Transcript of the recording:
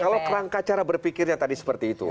kalau rangka cara berpikir yang tadi seperti itu